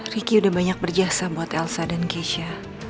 vicky udah banyak berjasa buat elsa dan keisha